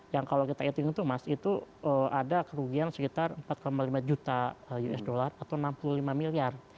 yang kalau kita hitung tuh mas itu ada kerugian sekitar empat lima juta usd atau enam puluh lima miliar